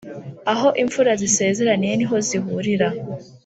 aho imfura zisezeraniye ni ho zihurira.